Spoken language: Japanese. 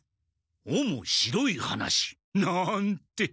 おも白い話。なんて。